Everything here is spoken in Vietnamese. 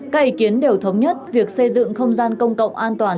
các ý kiến đều thống nhất việc xây dựng không gian công cộng an toàn